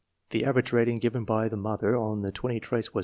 The average rating given by the mother on the twenty traits was 1.